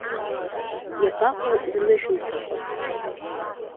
Иабаҟоу рнышәынҭрақәа?